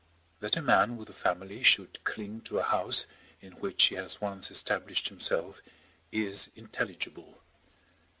That a man with a family should cling to a house in which he has once established himself is intelligible.